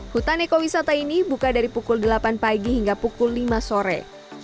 hutan ekowisata ini buka dari pukul delapan pagi hingga pukul lima sore